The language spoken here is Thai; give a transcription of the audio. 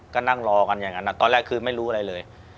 ก็นั่งรอกันอย่างนั้นตอนแรกคือไม่รู้อะไรเลย